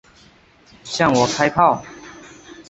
向我开炮！